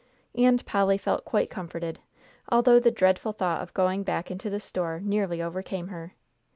And Polly felt quite comforted, although the dreadful thought of going back into the store nearly overcame her.